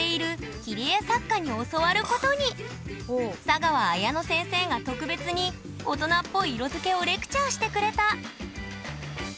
佐川綾野先生が特別に大人っぽい色づけをレクチャーしてくれた！